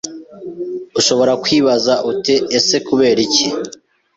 ushobora kwibaza uti ese kubera iki